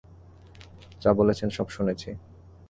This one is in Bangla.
যা বলেছেন সব শুনেছি!